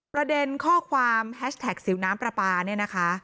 ประเด็นข้อความแฮชแท็กสิวน้ำปลาปลาเนี่ยนะคะ